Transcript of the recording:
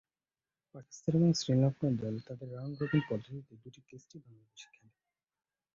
পাকিস্তান এবং শ্রীলঙ্কা দল তাদের রাউন্ড-রবিন পদ্ধতিতে দু’টি টেস্টই বাংলাদেশে খেলে।